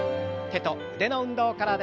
手と腕の運動からです。